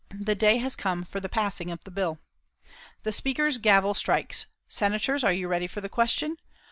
The day has come for the passing of the bill. The Speaker's gavel strikes. "Senators, are you ready for the question?